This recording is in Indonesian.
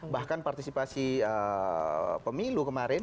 bahkan partisipasi pemilu kemarin